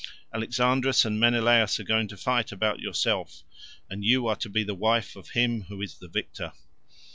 Alexandrus and Menelaus are going to fight about yourself, and you are to be the wife of him who is the victor."